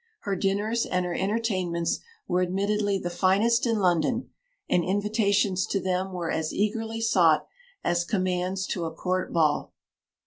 Her dinners and her entertainments were admittedly the finest in London; and invitations to them were as eagerly sought as commands to a Court ball.